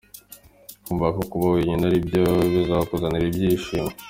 Kumva ko kuba wenyine ari byo bizakuzanira ibyishimo.